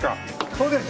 そうです！